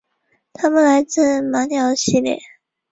他们来自马里奥系列。